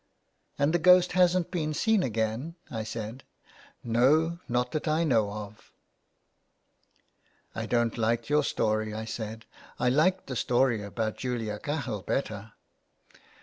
" And the ghost hasn't been seen again ?" I said. " No, not that I know of." '* I don't like your story," I said. '' I liked the story about Julia Cahill better."